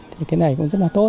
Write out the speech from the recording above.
thì cái này cũng rất là tốt